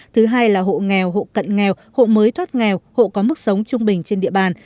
thứ hai là hộ nghèo hộ cận nghèo hộ mới thoát nghèo hộ có mức sống trung bình trên địa bàn